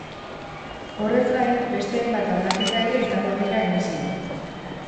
Horrez gain, beste hainbat aldaketa ere izango dira emisioan.